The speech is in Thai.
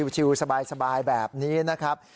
ชิลสบายแบบนี้นะครับ